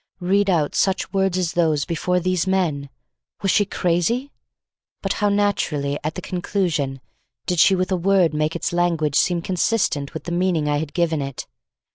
Read out such words as those before these men! Was she crazy? But how naturally at the conclusion did she with a word make its language seem consistent with the meaning I had given it.